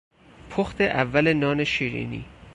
پخت اول نان شیرینی